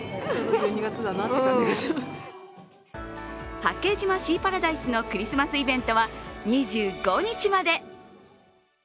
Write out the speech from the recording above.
八景島シーパラダイスのクリスマスイベントは２５日まで。